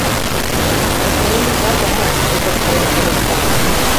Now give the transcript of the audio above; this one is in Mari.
— Мый тыйын изат омыл, — Пӧтыр сырен пелешта.